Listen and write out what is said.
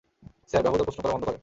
Sir, বেহুদা প্রশ্ন করা বন্ধ করেন।